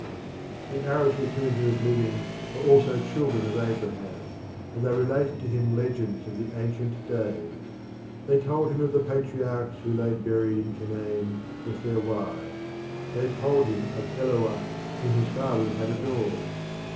The Arabs with whom he was living were also children of Abraham, and they related to him legends of the ancient days. They told him of the patriarchs who lay buried in Canaan with their wives; they told him of Eloah, whom his fathers had adored.